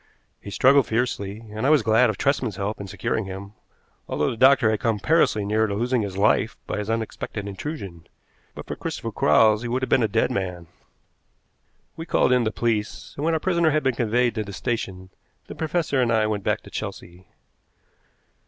He struggled fiercely, and I was glad of Tresman's help in securing him, although the doctor had come perilously near to losing his life by his unexpected intrusion. But for Christopher Quarles he would have been a dead man. We called in the police, and, when our prisoner had been conveyed to the station, the professor and I went back to Chelsea.